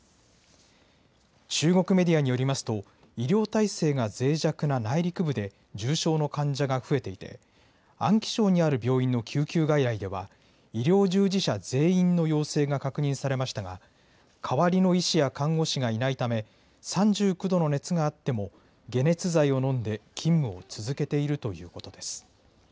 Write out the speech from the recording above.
中国メディアによりますと、医療体制がぜい弱な内陸部で、重症の患者が増えていて、安徽省にある病院の救急外来では、医療従事者全員の陽性が確認されましたが、代わりの医師や看護師がいないため、３９度の熱があっても解熱剤を飲んで、勤務を続けているということです。